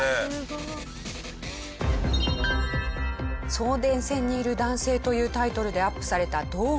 『送電線にいる男性』というタイトルでアップされた動画。